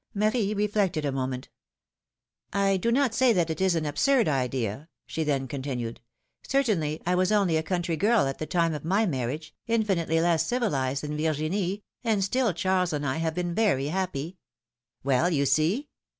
Marie reflected a moment. I do not say that it is an absurd idea," she then con tinued ; certainly, I was only a country girl at the time of my marriage, infinitely less civilized than Virginie, and still Charles and I have been very happy !" Well, you see